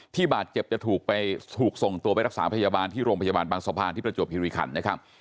ที่บาดเจ็บจะถูกส่งตัวไปรักษาพยาบาลที่โรงพยาบาลบางสะพานที่ประจวบคิริขันต์